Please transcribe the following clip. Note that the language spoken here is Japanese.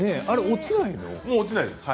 落ちないの？